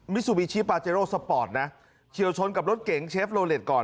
ซูบิชิปาเจโรสปอร์ตนะเฉียวชนกับรถเก๋งเชฟโลเล็ตก่อน